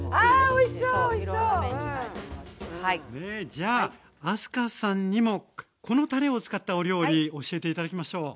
じゃあ明日香さんにもこのたれを使ったお料理教えて頂きましょう。